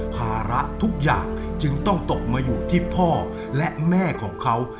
ภาระทุกอย่างจึงต้องตกมาอยู่ที่พ่อและแม่ของเขา